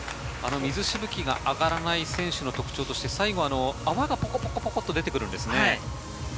水しぶきが上がらない選手の特徴として最後、泡がポコポコと出てくるんですよね。